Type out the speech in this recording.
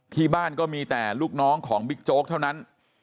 ที่บ้านก็มีแต่ลูกน้องของบิ๊กโจ๊กเท่านั้น